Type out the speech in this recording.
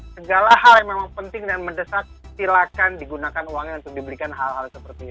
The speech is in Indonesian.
segala hal yang memang penting dan mendesak silakan digunakan uangnya untuk diberikan hal hal seperti ini